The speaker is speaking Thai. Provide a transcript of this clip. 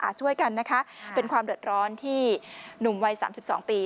ช่วยกันนะคะเป็นความเดิดร้อนที่หนุ่มวัย๓๒ปี